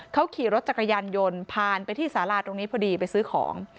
เขาขี่รถจักรยานยนต์ผ่านไปที่สาราตรงนี้พอดีไปซื้อของ